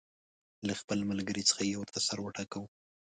له خپل ملګري څخه یې ورته سر وټکاوه.